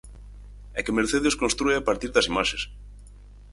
É que Mercedes constrúe a partir das imaxes.